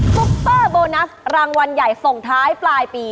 ซุปเปอร์โบนัสรางวัลใหญ่ส่งท้ายปลายปี